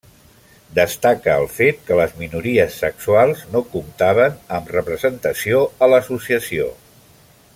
Destaca el fet que les minories sexuals no comptaven amb representació a l'associació.